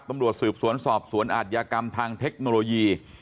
ตำรวจสืบสวนสอบสวนอาทยากรรมทางเทคโนโลยี